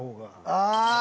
ああ！